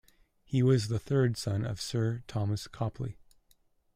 He was the third son of Sir Thomas Copley.